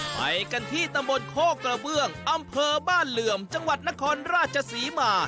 ไปกันที่ตำบลโคกกระเบื้องอำเภอบ้านเหลื่อมจังหวัดนครราชศรีมา